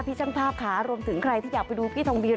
ช่างภาพค่ะรวมถึงใครที่อยากไปดูพี่ทองเบีย